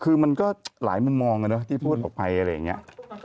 คือมันก็หลายมุมมองที่พูดออกไปอะไรอย่างนี้